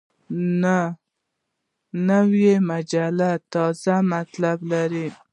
نوې مجله تازه مطالب لري